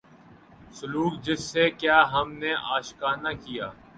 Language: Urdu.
سلوک جس سے کیا ہم نے عاشقانہ کیا